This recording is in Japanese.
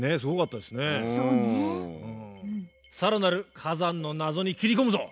更なる火山の謎に切り込むぞ！